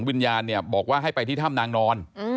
วิญญาณเนี่ยบอกว่าให้ไปที่ถ้ำนางนอน